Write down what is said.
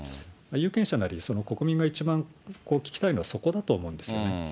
有権者なり、国民が一番聞きたいのはそこだと思うんですよね。